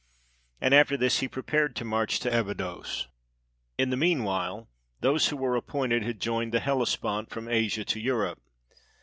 And after this he prepared to march to Abydos. In the mean while, those who were appointed had joined the Hellespont from Asia to Europe.